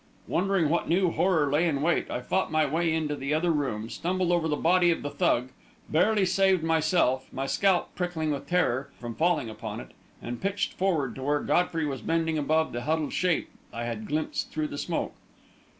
Wondering what new horror lay in wait, I fought my way into the other room, stumbled over the body of the Thug, barely saved myself, my scalp prickling with terror, from falling upon it, and pitched forward to where Godfrey was bending above that huddled shape I had glimpsed through the smoke.